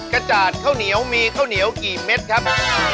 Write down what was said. กระจาดข้าวเหนียวมีข้าวเหนียวกี่เม็ดครับ